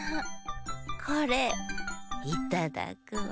これいただくわ。